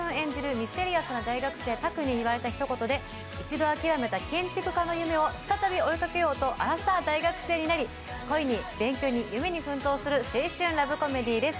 ミステリアスな大学生拓に言われたことで一度諦めた建築家の夢を再び追いかけようとアラサー大学生になり、恋に勉強に、夢に奮闘する青春ラブコメディーです。